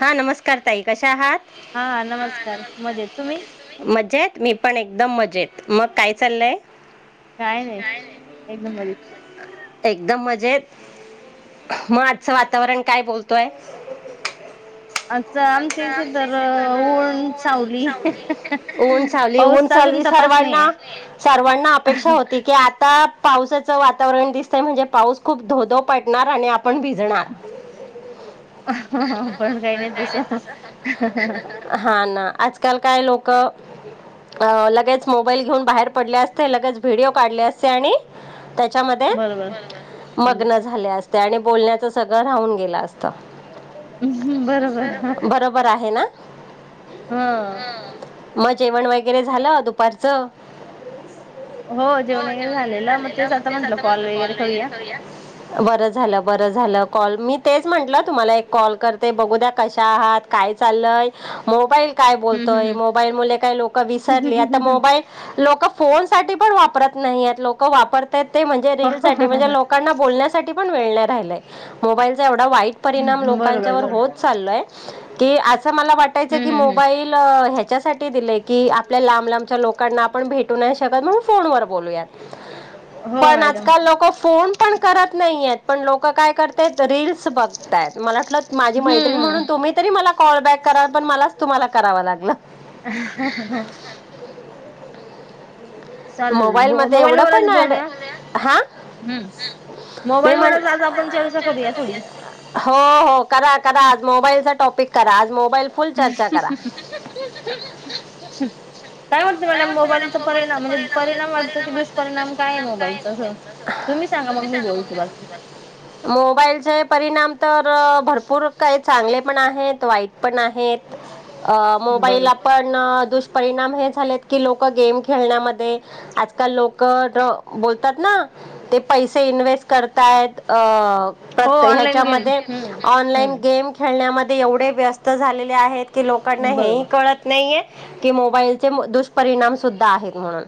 हा नमस्कार ताई कशा आहात हा नमस्कार मजेत. तुम्ही? मजेत मी पण एकदम मजेत मग काय चाललंय? काय नाही एकदम मजेत. एकदम मजेत मग आजचं वातावरण काय बोलतोय? आता आमच्या इथे तर ऊन सावली ऊन सावली पाऊस ऊन तर अजून सालवी तपासणी आहे सर्वांना सर्वांना अपेक्षा होती की आता पावसाचं वातावरण दिसतंय म्हणजे पाऊस खूप धोधो पडणार आणि आपण भिजणार. ह पण काही नाही तस हा ना आजकाल काय लोक लगेच मोबाईल घेऊन बाहेर पडले असते लगेच व्हिडिओ काढले असते आणि त्याच्यामध्ये बरोबर हम्म. मग्न झाले अस त्याने बोलण्याचं सगळं राहून गेलं असत. [unintelligible] बरोबर आहे ना. हा. मग जेवण वगैरे झालं दुपारचं? हो जेवण वगैरे झालेलं मग तेच आता म्हंटलं कॉल वगैरे करूया बर झालं बर झालं. कॉल मी तेच म्हटलं तुम्हाला एक कॉल करते बघू द्या. कशा आहात? काय चाललय? मोबाईल. काय हम्म बोलतोय हम्म मोबाईलमुले काय लोक विसरले आता हम् मोबाईल लोक फोन. साठी पण वापरत नाही लोक वापर. ते म्हणजे रील साठी म्हणजे बरोबर लोकांना बोलण्यासाठी पण वेळ नाही. राहिलय. मोबाईलचा एव- -ढा वाईट परिणाम लोकांच्यावर होत. बरोबर चाललोय. की अस. मला वाटायचं की हम्म हम् मोबाईल ह्या. च्या सा. दिलय की आपल्या लांब लांबच्या लोक. कांना आपण भेटू नाही शकत मग फोन वर बोलूयात. हो पण मॅडम आजकाल लोक फोन पण करत नाही येत. पण लोक काय करतायेत रिल्स बघतायेत मला. प्लस माझी माहिती हम्म म्हणून तुम्ही तरी मला कॉल बॅक करा पण मला तुम्हाला करावा लागल. चालेल मोबाईल मध्ये एवढं पण वरच ॲड बोलूया हा हम्म मी म्ह मोबाईलवरच आज आपण चर्चा करूया थोडी. [unintelligible] हो हो करा करा आज मोबाईलचा टॉपिक करा आज मो काय वाटत मला मोबाईलचा परिणाम म्हणजे [unintelligible] परीनाम परिणाम वाटतो की दुष्परिणाम काय आहे मोबाईलचा असं? तुम्ही सांगा मग मी बोलते बाकी त त भरपूर काही. चांगले पण आहेत वाईट पण आहेत. अ मोबाईल बरोबर आपण दुष परिणाम हे झालेत की लोक गेम खेळण्यामध्ये आजकाल लोक बोलतात ना ते पैसे इन्व्स्ट करतायेत हो अ ऑनलाईन गेम हच्यामध्ये हम्म. ऑनलाईन हम्म गेम खेळण्या म ते एवढे व्यस्त झालेले आहेत की लोकांना हेही बरोबर कळत नाही ये कि मोबाईलचे दुष्परिणाम सुद्धा आहेत म्हणून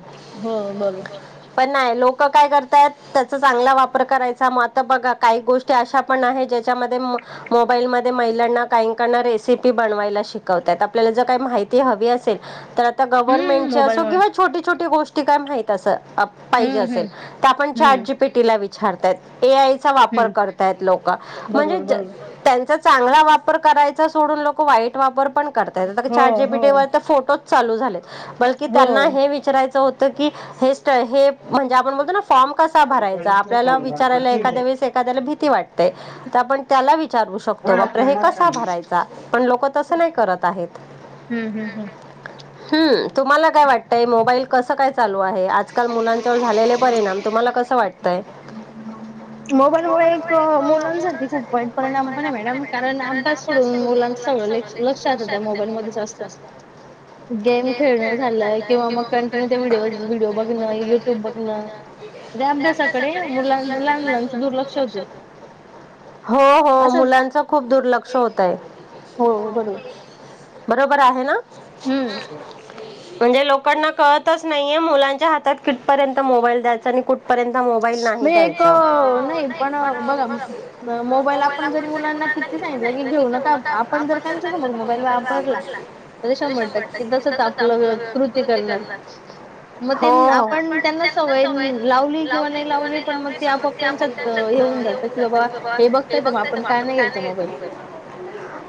हो बरो पण नाही लोक काय करता येत त्याचा चांगला वापर करायचाग आ बघा काही गोष्टी अशा पण ज्याच्यामध्ये म मोबाईल मध्ये महिलांना काहीकांना रेसिपी बनवायला शिकवता येत आपल्याला जर का माहिती हवी असेल तर गव्हर्मेंट हम्म ची मोबाईल असो मुळं किंवा छोटी गोष्टी काय माहित असं अप पाहिजे हम्म असेल तर आपण हम्म. हम्म चॅट जीपीटीला विचारू छारतात ए आय चा वापर हम्म करता येत लोक म्हणजे बरोबर बरोबर त्यांचा चांगला वापर करायचा सोडून लोक वाईट वापर पण करता येत आता हो चॅट जी पी हो टी वर तर फोटो चालू झाले बोलकी हो. त्यांना हे विच अस होतकी हे म्हणजे आपण बोलतो ना फॉर्म कसा भराय आपल्याला हम्म विचारायला एद्या वळेस एखाद्या भीती वाटतेय आपण त्याला विचारू शकतो बापरे हे कसा भरायचा पण लोक तसं नाही करत आहेत हम्म हम्म. हम्म तुम्हाला काय वाटतय मो झालेले परिणाम तुम्हाला कसं वाटतंय मोबाईल मु मुलांसाठी खूप वाईट परिणाम पण आहे मॅडम कारण अभ्यास सोडून मुलांच सगळं लक्षात त्या मोबाईल मध्ये गेम खेळण झालंय किंवा मग कंटिन्यू ते व्हिडिओ व्हिडिओ बघणं युट्यूब बघणं त्या अभ्यासाकडे मुलां लहान मुलांचं दुर्लक्ष होतं. हो हो असं मुलांच खूप दुर्लक्ष होतय हो बरोबर बरोबर आहे ना हम्म म्हणजे लोक ड कळतच नाहीये मुलांच्या हातात किटपर्यंत मोबाईल द्यायचा आणि कुठ म एक नाही पण बघा मोबाईल आपण जरी मुलांना किती सांगितलं की घेऊ नका आपण जर त्यांच्या समोर मोबाईल वापरला तरी शंभर टक्के तसच आपलं कृत्य मग हो हो. आप त्यांना सवय लावली किंवा नाही लावली पण मग ते आपोआप त्यांच्यात हे होऊन जातं की बाबा हे बघताय तर मग आपण काय नाही घ्यायचं मोबाईल.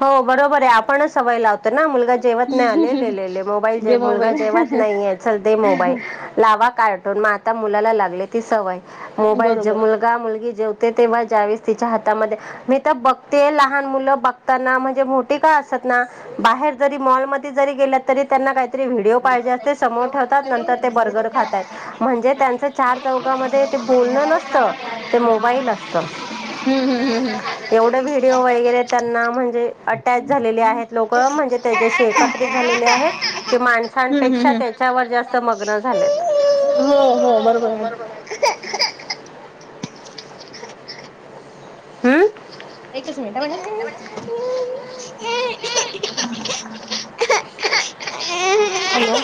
हो बरोबर आहे आपणच सवय लावतो ना [unintelligible] जेवत नाही आलेले मोबाईल मुलगा चल मोबाईल ला कार्टून मग आता मुलाला लागले ती सवय मोबाईल जे बरोबर मुलगा मुलगी जेव तेव्हास तिच्या हातामध्ये मी तर बघते लहान मुलं बघताना म्हणजे मोठी का असत ना बाहेर जरी मॉल म जरी गे तरी त्यांना काहीतरी पाहिजे अस समोर ठेवतात नंतर ते बर्गर खातात म्हणजे त्यांच चार चौकामध्ये ते बोलण नसत ते मोबाईल असत हम्म हम्म हम्म हम्म एवढ व्हडिओ वगैरे त्यांना म्हणजे अटैच झाले आहेत लोक म्हणजे त्याच्याशी एकत्रित झालेले आहेत ते माणसा हम्म हम् हम् हो हो बरोबर आहे हम्म स मिट मण [unintelligible] [unintelligible] हॅलो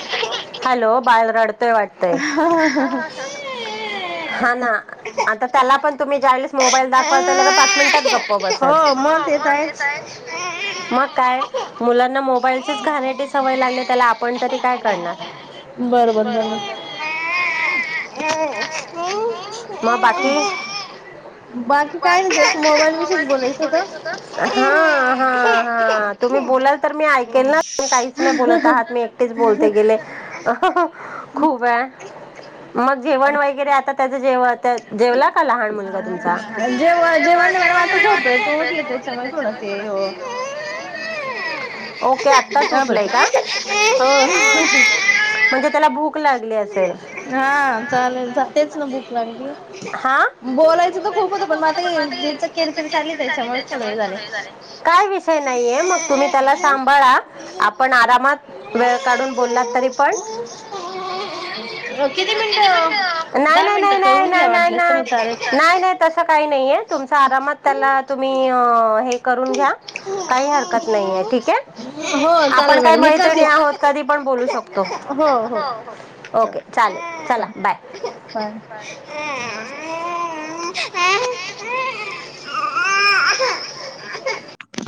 हॅलो बाल रडतोय वाटतंय हा ह ह ह हा ना आता त्याला पण तुम्ही ज्यावेळेस मोबाईल दाखवाल तर ल पाच मिनिटात गप्प बसेल हो म ते तर आहेच म काय आहेच. मुलांना मोबाइल तच घाणेरडी सवय लागली त्याला आपण तरी काय करणार बर बर बर [inaudible] मग बाकी बाकी काय नाही मोबाईल विषयीच बोलायचं होत. हां हां हां तुम्ही बोलाल तर मी ऐकेल ना तुम्ही काहीच नाही बोलत आहात मी एक बोलते गेले खूप आहे मग जेवण वगैेरे आता त्याच जेव जेवला का लहान मुलगा तुमचा जेव्हा जेव्हा मॅडम आता झोप आहे त उठले त्याच्यामुळे थोड ते ओके आत्ताच हा उठलाय बरोबर का हो. म्हणजे त्याला भूक लागली असे हा चालेल तेच ना भूक लागली हा बोलायचं तर खूप होत पण मग आता ज्याच किरकीर चाली त्याच्यामुळेच थोड हे झालय. काय विषय नाहीये मग तुम्ही त्याला सांभाळा आपण आरामात वेळ काढून बोललात तरी पण मिनिटं नाही दहा नाही नाही मिनिटं नाही करून घ्या नाही नाही वाटलंस तर नाही मग चालेल. नाही नाही तस काही नाही काही नाहीये तुमच आरामात त्याला तुम्ही हे करून घ्या काही हरकत नाहीये ठीक आहे हो चालेल आपण काय मॅडम मी मा ओके हो चालेल चला बाय हो. [inaudible]